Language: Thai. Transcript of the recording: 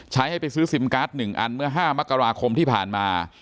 ให้ไปซื้อซิมการ์ด๑อันเมื่อ๕มกราคมที่ผ่านมา